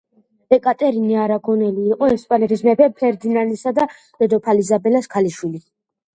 ეკატერინე არაგონელი იყო ესპანეთის მეფე ფერდინანდისა და დედოფალ იზაბელას ქალიშვილი.